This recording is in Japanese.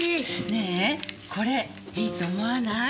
ねーえこれいいと思わない？